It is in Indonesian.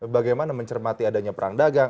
bagaimana mencermati adanya perang dagang